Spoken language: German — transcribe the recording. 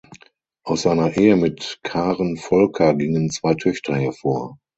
Aus seiner Ehe mit Karen Volker gingen zwei Töchter hervor.